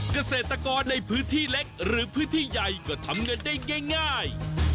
เกษตรกรในพื้นที่เล็กหรือพื้นที่ใหญ่ก็ทำเงินได้ง่าย